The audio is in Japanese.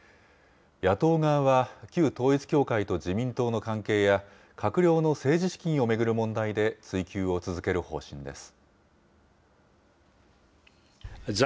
野党側は旧統一教会と自民党の関係や、閣僚の政治資金を巡る問題で追及を続ける方針です。